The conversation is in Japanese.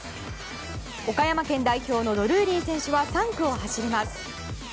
岡山県代表のドルーリー選手は３区を走ります。